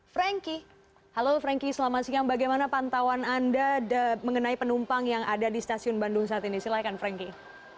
frankie halo frankie selamat siang bagaimana pantauan anda mengenai penumpang yang ada di stasiun bandung saat ini silahkan frankie